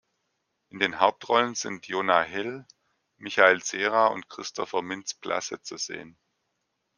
In den Hauptrollen sind Jonah Hill, Michael Cera und Christopher Mintz-Plasse zu sehen.